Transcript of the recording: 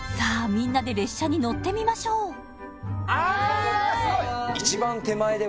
みんなで列車に乗ってみましょうああすごい！